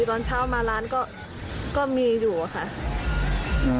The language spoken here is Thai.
ตอนเช้ามาร้านก็มีอยู่อะค่ะ